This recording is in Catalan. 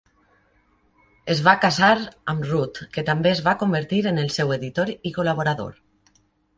Es va casar amb Ruth, que també es va convertir en el seu editor i col·laborador.